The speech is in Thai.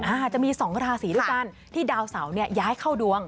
อาจจะมีสองราศีด้วยกันที่ดาวเสาเนี่ยย้ายเข้าดวง